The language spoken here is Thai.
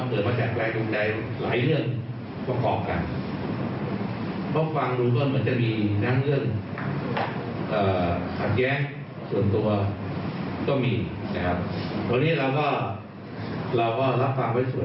กับความให้กันของทุกที่ที่ให้กันนะครับ